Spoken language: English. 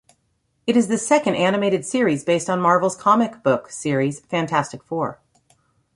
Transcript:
It is the second animated series based on Marvel's comic book series Fantastic Four.